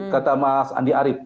kata mas andi arief